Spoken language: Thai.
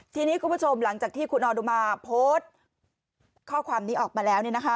ทีนี้คุณผู้ชมหลังจากที่คุณอนุมาโพสต์ข้อความนี้ออกมาแล้ว